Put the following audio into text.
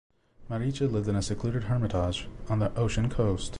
Maricha lived in a secluded hermitage on the ocean coast.